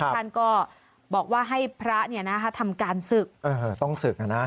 ท่านก็บอกว่าให้พระทำการศึกต้องศึก